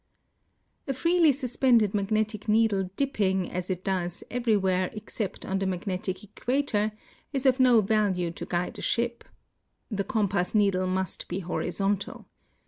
A freely suspended magnetic needle dipping, as it does, every where except on the magnetic equator, is of no value to guide a ship. The compass needle must be horizontal.